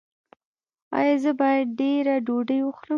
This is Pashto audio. ایا زه باید ډیره ډوډۍ وخورم؟